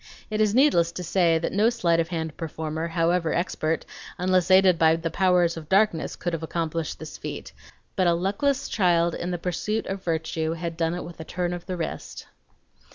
It is needless to say that no sleight of hand performer, however expert, unless aided by the powers of darkness, could have accomplished this feat; but a luckless child in the pursuit of virtue had done it with a turn of the wrist.